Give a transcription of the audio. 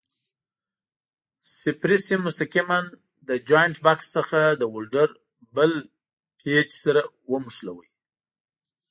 صفري سیم مستقیماً له جاینټ بکس څخه د ولډر بل پېچ سره ونښلوئ.